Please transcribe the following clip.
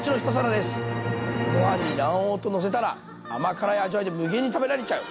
ご飯に卵黄とのせたら甘辛い味わいで無限に食べられちゃう。